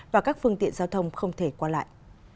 và các phương tiện giao thông không thể qua lại